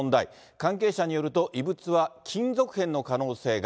関係者によると、異物は金属片の可能性が。